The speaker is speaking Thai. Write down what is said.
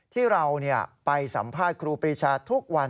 ที่เราไปสัมภาษณ์ครูปรีชาทุกวัน